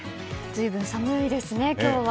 随分寒いですね、今日は。